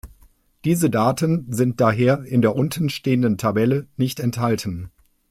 Diese Daten sind daher in der untenstehenden Tabelle nicht enthalten.